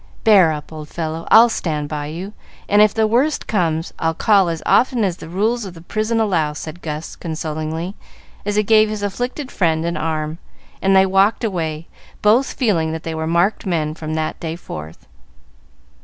"Bear up, old fellow, I'll stand by you; and if the worst comes, I'll call as often as the rules of the prison allow," said Gus, consolingly, as he gave his afflicted friend an arm, and they walked away, both feeling that they were marked men from that day forth.